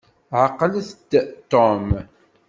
Ɛqlet-d Tom.